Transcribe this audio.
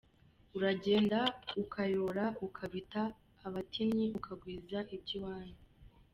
Uragenda ukayora ukabita abatinyi ukagwiza iby’iwanyu.